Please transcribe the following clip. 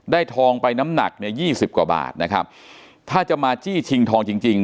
ทองไปน้ำหนักเนี่ยยี่สิบกว่าบาทนะครับถ้าจะมาจี้ชิงทองจริงจริง